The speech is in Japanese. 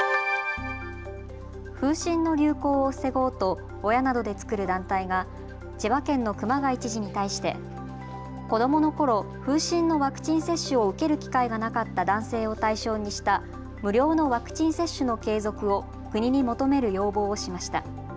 風疹の流行を防ごうと親などで作る団体が千葉県の熊谷知事に対して子どものころ風疹のワクチン接種を受ける機会がなかった男性を対象にした無料のワクチン接種の継続を国に求める要望をしました。